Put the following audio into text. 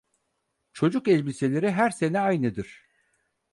Çocuk elbiseleri her sene aynıdır…